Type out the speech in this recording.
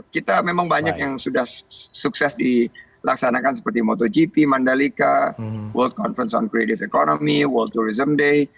kita memang banyak yang sudah sukses dilaksanakan seperti motogp mandalika world conference on creative economy world tourism day